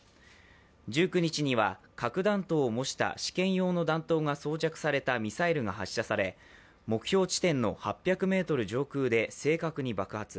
１９日には核弾頭を模した試験用の弾頭が装着されたミサイルが発射され目標地点の８００ｍ上空で正確に爆発。